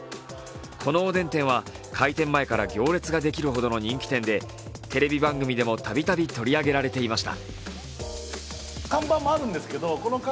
このおでん店は回転前から行列ができるほどの人気店でテレビ番組でも度々取り上げられていました。